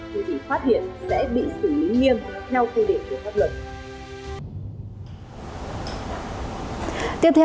quý vị phát hiện sẽ bị xử lý nghiêm theo quy định của luật luật